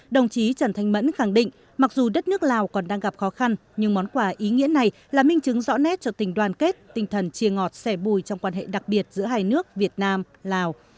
đồng chí trần thanh mẫn khẳng định mặc dù đất nước lào còn đang gặp khó khăn nhưng món quà ý nghĩa này là minh chứng rõ nét cho tình đoàn kết tinh thần chia ngọt sẻ bùi trong quan hệ đặc biệt giữa hai nước việt nam lào